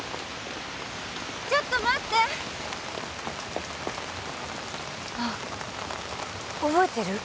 ちょっと待ってあっ覚えてる？